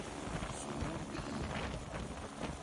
Suñul bés nye.